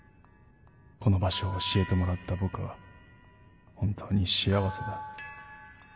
この場所を教えてもらった僕は本当に幸せだ」。